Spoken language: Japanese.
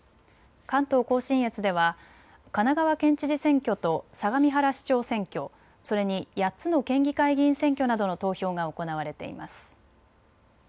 関東甲信越では神奈川県知事選挙と相模原市長選挙、それに８つの県議会議員選挙などの投票が行われています。